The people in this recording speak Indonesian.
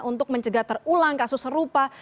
untuk mencegah terulang kasus serupa